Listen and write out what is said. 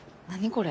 これ。